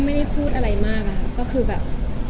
ไม่ได้พูดอะไรมากอะค่ะก็คือแบบ